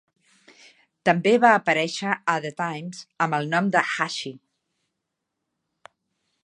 També va aparèixer a "The Times" amb el nom de "Hashi".